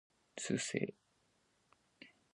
¿Tiix haaya tahiti?